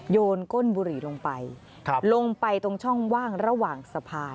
โยนก้นบุหรี่ลงไปลงไปตรงช่องว่างระหว่างสะพาน